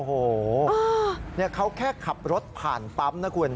โอ้โหเขาแค่ขับรถผ่านปั๊มนะคุณ